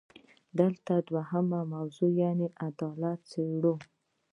دلته دویمه موضوع یعنې عدالت څېړو.